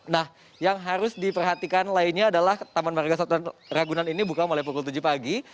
nah yang harus diperhatikan lainnya adalah taman marga satwa ragunan ini buka mulai pukul tujuh pagi